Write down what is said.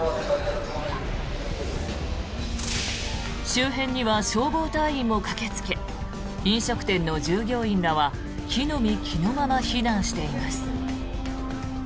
周辺には消防隊員も駆けつけ飲食店の従業員らは着の身着のまま避難しています。